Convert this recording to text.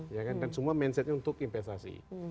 ya kan semua mindsetnya untuk investasi